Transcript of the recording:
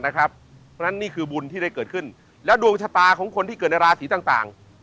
เพราะฉะนั้นนี่คือบุญที่ได้เกิดขึ้นแล้วดวงชะตาของคนที่เกิดในราศีต่าง